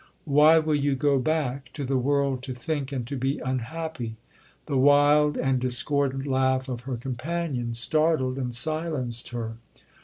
—Why will you go back to the world to think and to be unhappy?' The wild and discordant laugh of her companion, startled and silenced her.